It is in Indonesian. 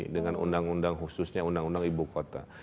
dengan undang undang khususnya undang undang ibu kota